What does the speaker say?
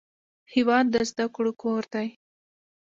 هېواد د زده کړو کور دی.